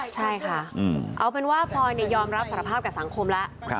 ใช่ค่ะเอาเป็นว่าพลอยยอมรับสารภาพกับสังคมแล้ว